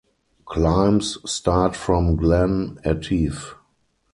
Climbs start from Glen Etive.